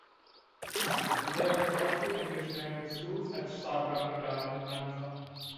There were also English language schools at Sadra, Idar and Mansa.